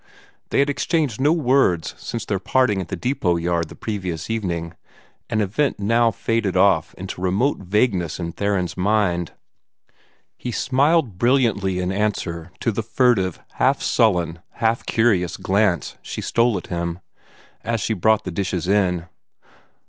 They had exchanged no words since their parting in the depot yard the previous evening an event now faded off into remote vagueness in Theron's mind. He smiled brilliantly in answer to the furtive, half sullen, half curious glance she stole at him, as she brought the dishes in.